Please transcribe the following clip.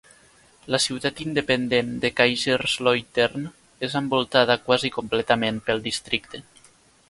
La ciutat independent de Kaiserslautern és envoltada quasi completament pel districte.